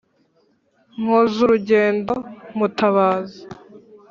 nkozurugendo: mutabazi